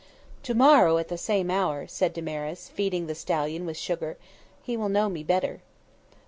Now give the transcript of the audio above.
"To morrow at the same hour," said Damaris, feeding the stallion with sugar, "he will know me better."